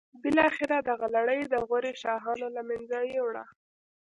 بالاخره دغه لړۍ د غوري شاهانو له منځه یوړه.